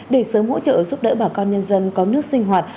để sớm hỗ trợ giúp đỡ bà con nhân dân có nước sinh hoạt